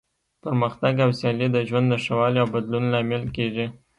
پرمختګ او سیالي د ژوند د ښه والي او بدلون لامل کیږي.